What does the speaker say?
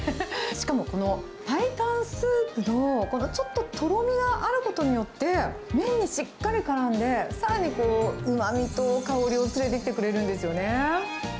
しかも、このパイタンスープの、このちょっととろみがあることによって、麺にしっかりからんで、さらに、うまみと香りを連れてきてくれるんですよね。